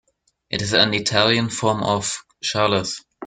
It is an Italian form of Charles.